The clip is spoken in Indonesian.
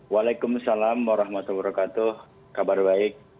waalaikumsalam warahmatullahi wabarakatuh kabar baik